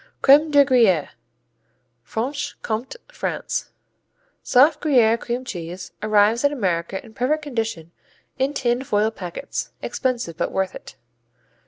Crème de Gruyère Franche Comté France Soft Gruyère cream cheese, arrives in America in perfect condition in tin foil packets. Expensive but worth it.